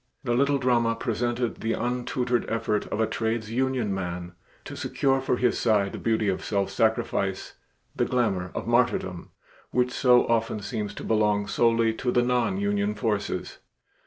The little drama presented the untutored effort of a trades union man to secure for his side the beauty of self sacrifice, the glamour of martyrdom, which so often seems to belong solely to the nonunion forces.